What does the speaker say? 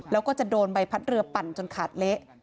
แล้วก็จะโดนใบพัดเรือปั่นจนขาดเละ